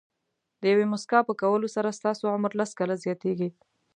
د یوې موسکا په کولو سره ستاسو عمر لس کاله زیاتېږي.